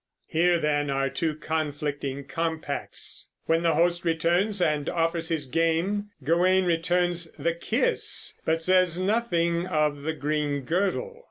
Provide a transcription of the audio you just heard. Here, then, are two conflicting compacts. When the host returns and offers his game, Gawain returns the kiss but says nothing of the green girdle.